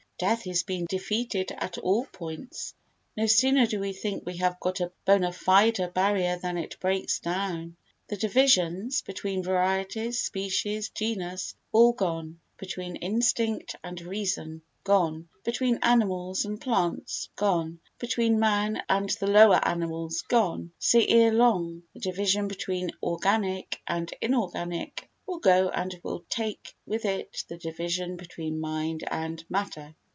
Death is being defeated at all points. No sooner do we think we have got a bona fide barrier than it breaks down. The divisions between varieties, species, genus, all gone; between instinct and reason, gone; between animals and plants, gone; between man and the lower animals, gone; so, ere long, the division between organic and inorganic will go and will take with it the division between mind and matter.